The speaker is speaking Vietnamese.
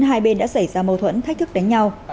hai bên đã xảy ra mâu thuẫn thách thức đánh nhau